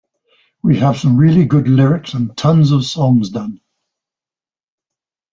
We have some really good lyrics and tons of songs done.